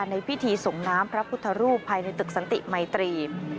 ในพิธีส่งน้ำพระพุทธรูปภายในตึกสันติมัยตรี